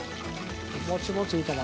ぼちぼちいいかな。